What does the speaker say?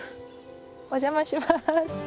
お邪魔します！